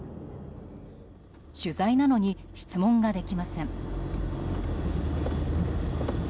取材なのに質問ができません。